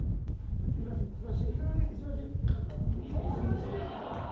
石橋。